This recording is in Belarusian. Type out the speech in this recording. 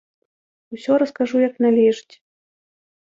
Усё раскажу як належыць.